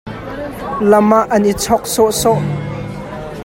Lam ah an i chok sawh sawh.